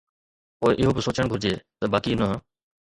پوءِ اهو به سوچڻ گهرجي ته باقي ننهن